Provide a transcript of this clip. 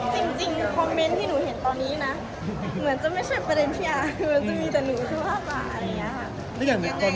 จริงคอมเมนท์ที่หนูเห็นตอนนี้นะเหมือนจะไม่ใช่เท่านี้พี่อาร์